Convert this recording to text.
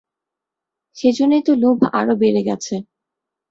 সেইজন্যেই তো লোভ আরো বেড়ে গেছে।